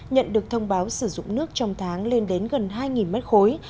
nhận được thông báo sử dụng nước trong tháng lên đến gần hai mét khối